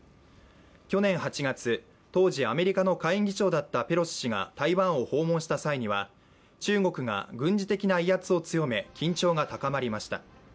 去年８月、当時アメリカの下院議長だったペロシ氏が台湾を訪問した際には中国が軍事的な威圧を強め緊張が高まりました。